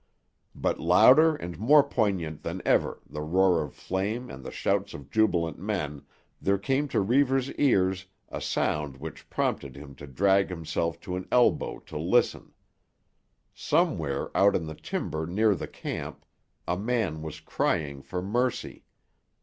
But louder and more poignant even than the roar of flame and the shouts of jubilant men, there came to Reivers' ears a sound which prompted him to drag himself to an elbow to listen. Somewhere out in the timber near the camp a man was crying for mercy.